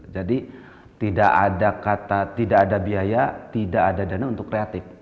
jadi tidak ada biaya tidak ada dana untuk kreatif